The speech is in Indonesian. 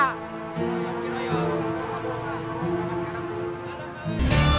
hapus semua waduh